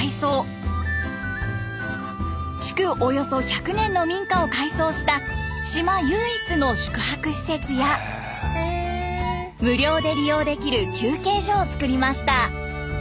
およそ１００年の民家を改装した島唯一の宿泊施設や無料で利用できる休憩所をつくりました。